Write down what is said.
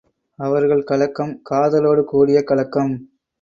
அவர்கள் கலக்கம், காதலோடு கூடிய கலக்கம்!